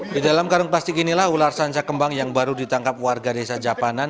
di dalam karung plastik inilah ular sanca kembang yang baru ditangkap warga desa japanan